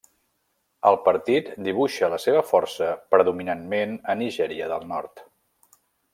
El partit dibuixa la seva força predominantment a Nigèria del Nord.